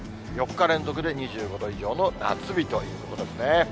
４日連続で２５度以上の夏日ということですね。